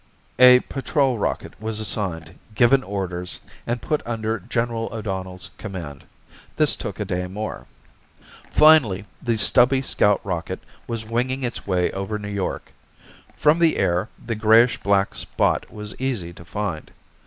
A patrol rocket was assigned, given orders, and put under General O'Donnell's command. This took a day more. Finally, the stubby scout rocket was winging its way over New York. From the air, the grayish black spot was easy to find.